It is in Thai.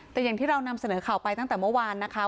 แต่อย่างที่เรานำเสนอข่าวไปตั้งแต่เมื่อวานนะคะ